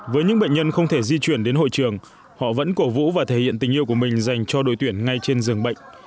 với những bệnh nhân không thể di chuyển đến hội trường họ vẫn cổ vũ và thể hiện tình yêu của mình dành cho đội tuyển ngay trên giường bệnh